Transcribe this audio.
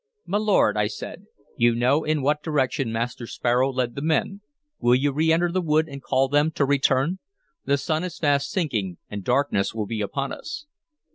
"My lord," I said, "you know in what direction Master Sparrow led the men. Will you reenter the wood and call them to return? The sun is fast sinking, and darkness will be upon us."